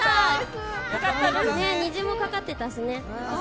虹もかかってたしね。